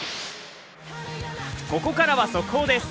ここからは速報です。